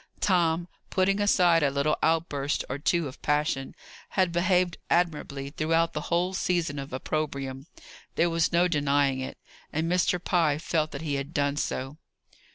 Tom, putting aside a little outburst or two of passion, had behaved admirably throughout the whole season of opprobrium; there was no denying it. And Mr. Pye felt that he had done so.